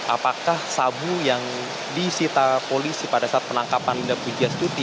apakah sabu yang disita polisi pada saat penangkapan linda pujastuti